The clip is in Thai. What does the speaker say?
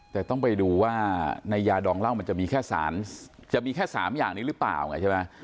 แต่ต้องไปดูว่าในยาดองเหล้ามันจะมีแค่สารจะมีแค่๓อย่างนี้หรือเปล่าไงใช่ไหม